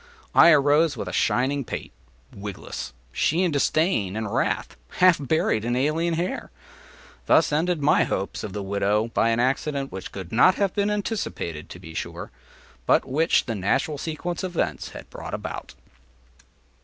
I arose with a shining pate, wigless; she in disdain and wrath, half buried in alien hair. Thus ended my hopes of the widow by an accident which could not have been anticipated, to be sure, but which the natural sequence of events had brought about.